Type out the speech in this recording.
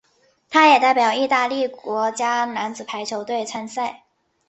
他也代表意大利国家男子排球队参赛。